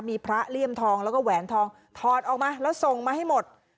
มีพระเลี่ยมทองแล้วก็แหวนทองถอดออกมาแล้วส่งมาให้หมด